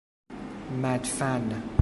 مدفن